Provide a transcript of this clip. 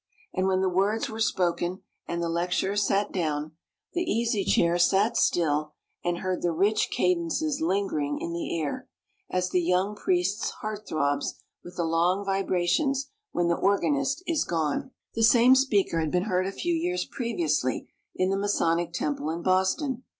And when the words were spoken and the lecturer sat down, the Easy Chair sat still and heard the rich cadences lingering in the air, as the young priest's heart throbs with the long vibrations when the organist is gone. The same speaker had been heard a few years previously in the Masonic Temple in Boston.